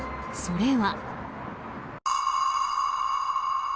それは。